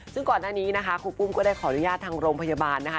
ซึ่งก่อนหน้านี้นะคะครูปุ้มก็ได้ขออนุญาตทางโรงพยาบาลนะคะ